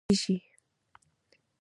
شړشم د تیلو لپاره کرل کیږي.